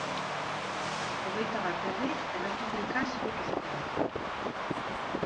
Hogeita bat herrik Errepublika ezagutu zuten.